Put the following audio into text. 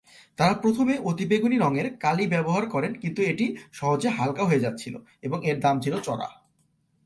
তারা প্রথমে অতিবেগুনী রঙের কালি ব্যবহার করেন কিন্তু এটি সহজে হালকা হয়ে যাচ্ছিল এবং এর দাম ছিল চড়া।